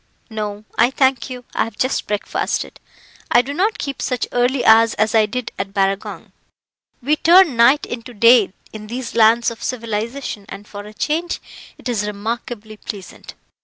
"No, I thank you; I have just breakfasted. I do not keep such early hours as I did at Barragong. We turn night into day in these lands of civilization, and for a change it is remarkably pleasant.